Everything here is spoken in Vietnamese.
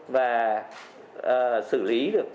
và xử lý được